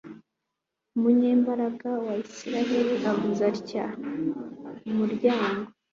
umunyembaraga wa israheli, avuze atya: muragowe